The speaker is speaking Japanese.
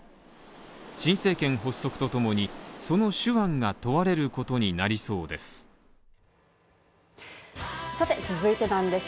新政権発足とともに、その手腕が問われることになりそうです。